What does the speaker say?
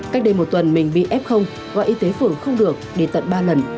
cách đây một tuần mình bị f và y tế phường không được đi tận ba lần